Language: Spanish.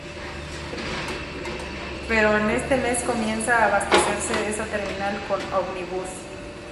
Pero en este mes comienza a abastecerse esa terminal con ómnibus.